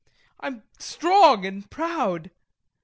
I'm strong and proud.